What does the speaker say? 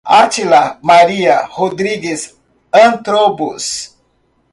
Atila Maria Rodrigues Antrobos